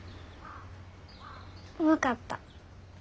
分かった。